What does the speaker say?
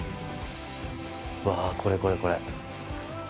うわぁ、これ、これ、これ。